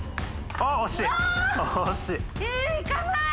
あっ惜しい。